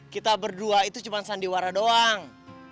kita berdua itu cuma sandiwara doang